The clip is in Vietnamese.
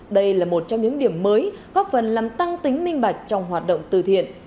đây là một trong những điểm mới góp phần làm tăng tính minh bạch trong hoạt động từ thiện